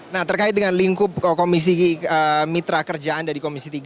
nah terkait dengan lingkup komisi mitra kerjaan dari komisi tiga